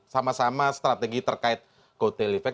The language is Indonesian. sama sama strategi terkait kotel efek